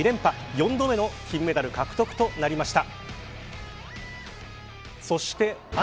４度目の金メダル獲得となりました。